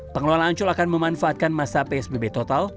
pengelola ancol akan memanfaatkan masa psbb total